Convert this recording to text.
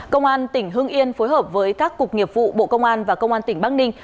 công an tỉnh hưng yên phối hợp với các cục nghiệp vụ bộ công an và công an tỉnh bắc ninh